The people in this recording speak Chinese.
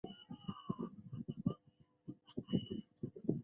厌食症确诊的必要条件为明显过低的体重。